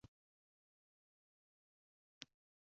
Gapirgan gapiraveradi.